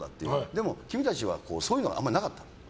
でも君たちはそういうのがあまりなかった。